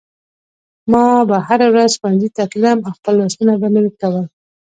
ما به هره ورځ ښوونځي ته تلم او خپل لوستونه به مې کول